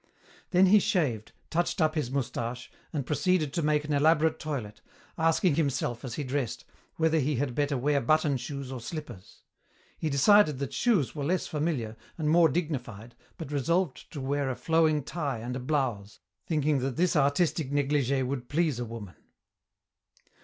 Then he shaved, touched up his moustache, and proceeded to make an elaborate toilet, asking himself, as he dressed, whether he had better wear button shoes or slippers. He decided that shoes were less familiar and more dignified but resolved to wear a flowing tie and a blouse, thinking that this artistic negligée would please a woman.